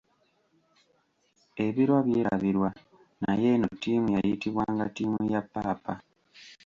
Ebirwa byerabirwa naye eno ttiimu yayitibwanga ttiimu ya Paapa.